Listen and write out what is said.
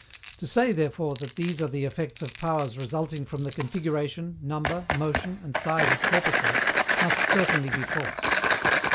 To say, therefore, that these are the effects of powers resulting from the configuration, number, motion, and size of corpuscles, must certainly be false.